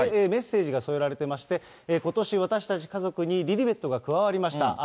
メッセージが添えられていまして、ことし私たち家族にリリベットが加わりました。